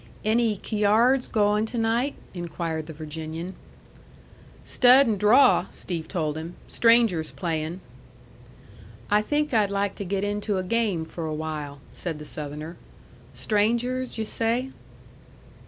"Any cyards going to night?" inquired the Virginian. "Stud and draw," Steve told him. "Strangers playing." "I think I'd like to get into a game for a while," said the Southerner. "Strangers, yu' say?"